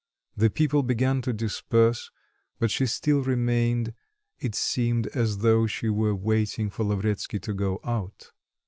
The people began to disperse, but she still remained; it seemed as though she were waiting for Lavretsky to go out.